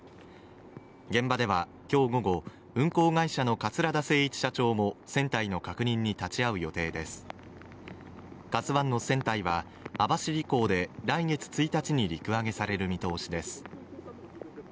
現場ではきょう午後運行会社の桂田精一社長も船体の確認に立ち会う予定です「ＫＡＺＵ１」の船体は網走港で来月１日に陸揚げされる見通しです